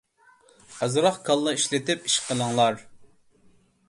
ئازراق كاللا ئىشلىتىپ ئىش قىلىڭلار!